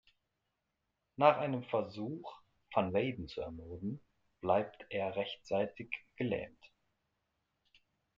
Nach einem Versuch, van Weyden zu ermorden, bleibt er rechtsseitig gelähmt.